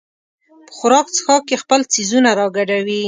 په خوراک څښاک کې خپل څیزونه راګډوي.